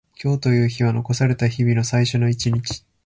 今日という日は残された日々の最初の一日。